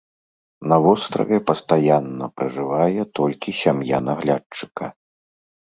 На востраве пастаянна пражывае толькі сям'я наглядчыка.